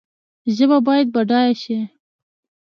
ژبه باید بډایه شي